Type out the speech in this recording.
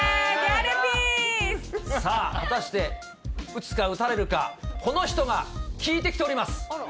さあ、果たして、打つか打たれるか、この人が聞いてきております。